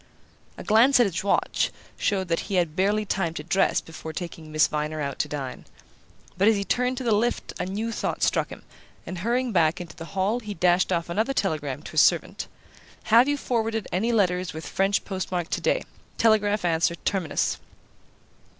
A glance at his watch showed that he had barely time to dress before taking Miss Viner out to dine; but as he turned to the lift a new thought struck him, and hurrying back into the hall he dashed off another telegram to his servant: "Have you forwarded any letter with French postmark today? Telegraph answer Terminus."